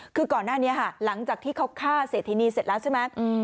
คือก่อนหน้านี้ค่ะหลังจากที่เขาฆ่าเศรษฐินีเสร็จแล้วใช่ไหม